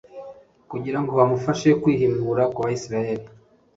kugira ngo bamufashe kwihimura ku bayisraheli